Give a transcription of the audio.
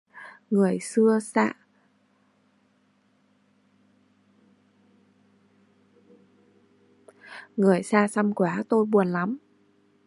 Người xa xăm quá!-Tôi buồn lắm